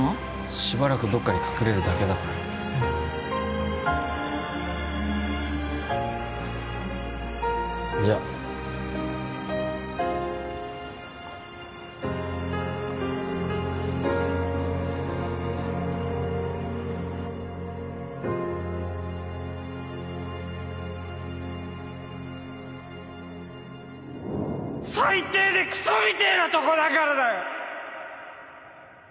しばらくどっかに隠れるだけだからすいませんじゃ最低でクソみてえなとこだからだよ！